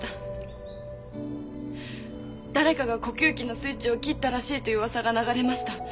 誰かが呼吸器のスイッチを切ったらしいという噂が流れました。